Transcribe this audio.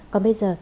còn bây giờ